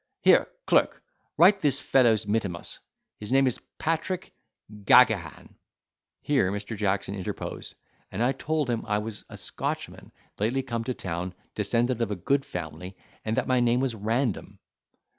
Here, clerk, write this fellow's mittimus. His name is Patrick Gaghagan." Here Mr. Jackson interposed, and told him I was a Scotchman lately come to town, descended of a good family, and that my name was Random.